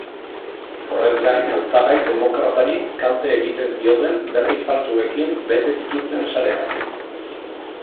Horrez gain hautagai demokratari kalte egiten zioten berri faltsuekin bete zituzten sareak.